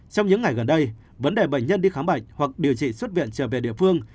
trong những ngày gần đây vấn đề bệnh nhân đi khám bệnh hoặc điều trị xuất viện trở về địa phương